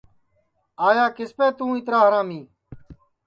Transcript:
آئیا کِسپ توں اِترا ہرامی